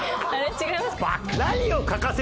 違いますか？